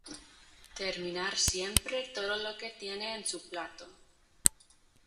terminar siempre todo lo que tiene en su plato